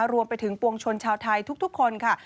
รวมไปถึงปวงชนชาวไทยทุกคนค่ะ